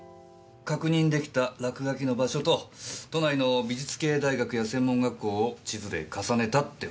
確認出来た落書きの場所と都内の美術系大学や専門学校を地図で重ねたってわけだ。